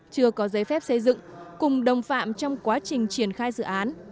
chưa có giấy phép xây dựng cùng đồng phạm trong quá trình triển khai dự án